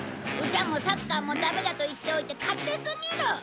歌もサッカーもダメだと言っておいて勝手すぎる！